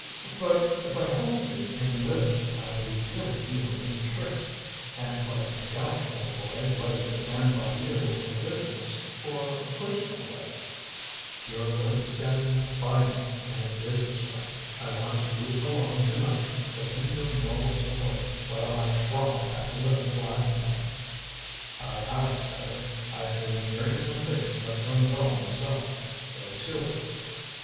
"Um but if I help you in this I'll be doing you a mean trick. Can't quite make out, old boy, whether to stand by you in a business or a personal way." "You're going to stand by me in a business way. I want you along to night to lend your moral support while I throttle that little blackmailer.". "Ay, ay, sir. I've been hearing some things about Gonzale myself. Go to it!"